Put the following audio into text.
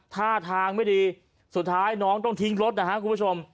ท่าทางไม่ดีสุดท้ายน้องต้องทิ้งรถนะฮะคุณผู้ชม